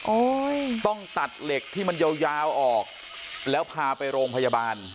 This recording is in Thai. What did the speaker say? ต้องตัดเหล็กที่มันยาวยาวออกแล้วพาไปโรงพยาบาล